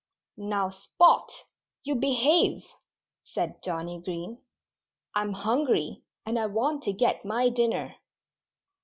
"Now, Spot you behave!" said Johnnie Green. "I'm hungry and I want to get my dinner."